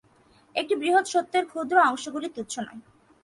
একটি বৃহৎ সত্যের ক্ষুদ্র অংশগুলিও তুচ্ছ নয়।